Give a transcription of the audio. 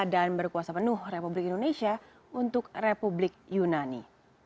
dan berkuasa penuh republik indonesia untuk republik yunani